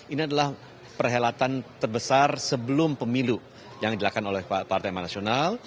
ini adalah perhelatan terbesar sebelum pemilu yang dilakukan oleh partai aman nasional